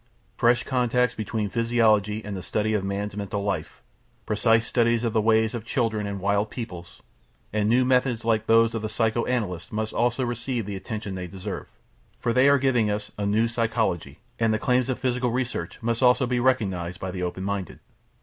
Fresh contacts between physiology and the study of man's mental life; precise studies of the ways of children and wild peoples; and new methods like those of the psycho analyst must also receive the attention they deserve, for they are giving us a "New Psychology" and the claims of psychical research must also be recognised by the open minded.